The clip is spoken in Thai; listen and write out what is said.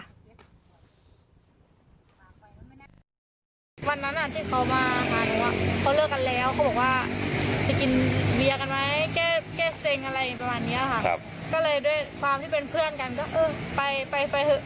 พอไปถึงก็ลงมือตกตีนะคะแล้วก็ใช้กันไกตัดผมอย่างที่เห็นในคลิปค่ะ